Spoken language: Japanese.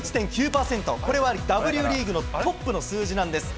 これはＷリーグのトップの数字なんです。